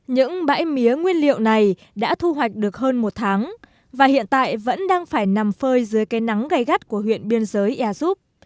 những bãi mía nguyên liệu này đã thu hoạch được hơn một tháng và hiện tại vẫn đang phải nằm phơi dưới cây nắng gây gắt của huyện biên giới ea súp